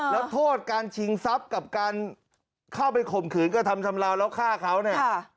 แล้วโทษการชิงทรัพย์กับการเข้าไปข่มขืนกระทำชำลาวแล้วฆ่าเขาเนี่ย